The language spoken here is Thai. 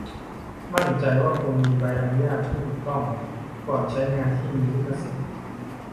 มั่นใจว่าคุณมีใบอนุญาตที่ถูกต้องก่อนการใช้งานที่มีลิขสิทธิ์